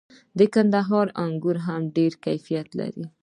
د کندهار انګور هم ډیر کیفیت لري.